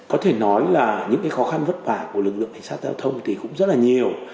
có thể nói là những khó khăn vất vả của lực lượng cảnh sát giao thông thì cũng rất là nhiều